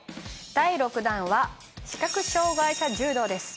第６弾は視覚障害者柔道です。